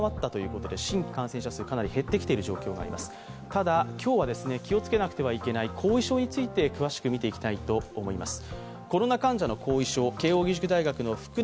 ただ今日は気をつけなければいけない後遺症について詳しく見ていきたいと思います。